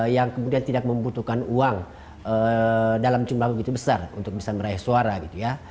yang kemudian tidak membutuhkan uang dalam jumlah begitu besar untuk bisa meraih suara gitu ya